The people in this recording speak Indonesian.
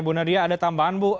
bu nadia ada tambahan bu